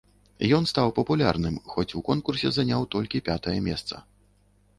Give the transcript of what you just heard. Ён стаў папулярным, хоць у конкурсе заняў толькі пятае месца.